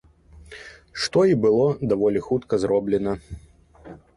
Што і было даволі хутка зроблена.